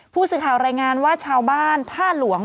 ผู้สื่อข่าวรายงานว่าชาวบ้านท่าหลวง